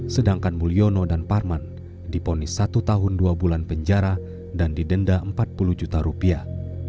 sedangkan mulyono dan parman diponis satu tahun dua bulan penjara dan didenda empat puluh juta rupiah